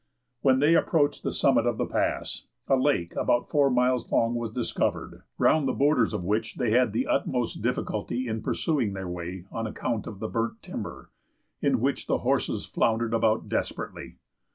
When they approached the summit of the pass, a lake about four miles long was discovered, round the borders of which they had the utmost difficulty in pursuing their way on account of the burnt timber, in which the horses floundered about desperately.